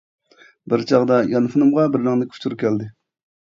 بىر چاغدا يانفونۇمغا بىر رەڭلىك ئۇچۇر كەلدى.